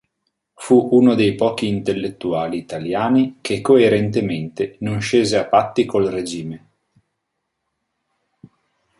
Fu uno dei pochi intellettuali italiani che coerentemente non scese a patti col regime.